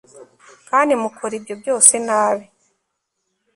kandi mukora ibyo byose nabi